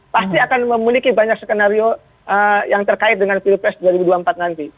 pasti akan memiliki banyak skenario yang terkait dengan pilpres dua ribu dua puluh empat nanti